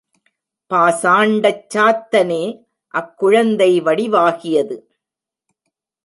பாசாண்டச் சாத்தனே அக்குழந்தை வடிவாகியது.